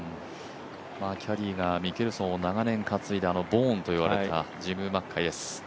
キャディーがミケルソンを長年担いだ、ボーンといわれたジム・マッケイです。